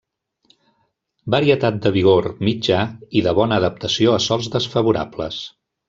Varietat de vigor mitjà i de bona adaptació a sòls desfavorables.